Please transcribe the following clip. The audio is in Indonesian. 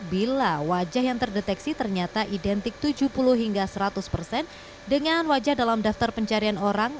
bila wajah yang terdeteksi ternyata identik tujuh puluh hingga seratus persen dengan wajah dalam daftar pencarian orang